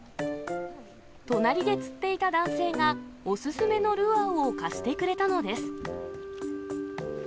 隣で釣っていた男性が、お勧めのルアーを貸してくれたのです。